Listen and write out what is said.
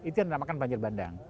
itu yang dinamakan banjir bandang